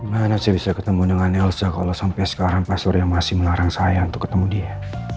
mana sih bisa ketemu dengan elsa kalau sampai sekarang pak surya masih melarang saya untuk ketemu dia